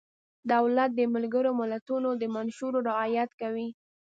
دولت د ملګرو ملتونو د منشورو رعایت کوي.